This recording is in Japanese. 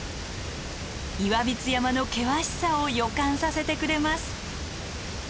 岩櫃山の険しさを予感させてくれます。